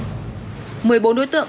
một mươi bốn đối tượng bị bệnh